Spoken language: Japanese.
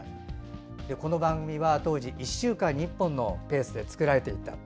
この番組は当時１週間に１本のペースで作られていたと。